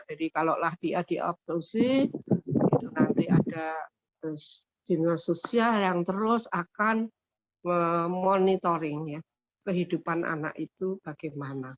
jadi kalau dia dioptosi nanti ada jenis sosial yang terus akan memonitoring kehidupan anak itu bagaimana